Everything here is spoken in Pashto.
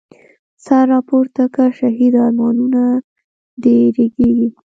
سر را پورته که شهیده، ارمانونه د رږیږی